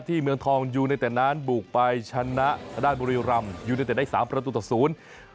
ที่เมืองทองอยู่ในแต่นั้นบูกไปชนะทะดาษบริรำอยู่ในแต่ได้๓ประตูตะสูน